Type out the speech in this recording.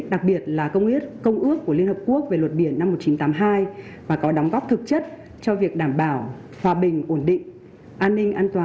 đặc biệt là công ước công ước của liên hợp quốc về luật biển năm một nghìn chín trăm tám mươi hai và có đóng góp thực chất cho việc đảm bảo hòa bình ổn định an ninh an toàn